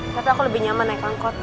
tapi aku lebih nyaman naik angkot